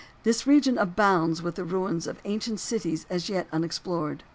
This region abounds with the ruins of ancient cities as yet unexplored.